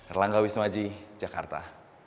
erlangga wisnuwaji jakarta